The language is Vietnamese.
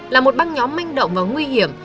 là một băng nhóm manh động và nguy hiểm